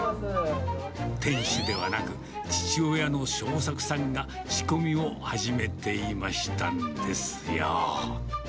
店主ではなく、父親の正作さんが仕込みを始めていましたんですよ。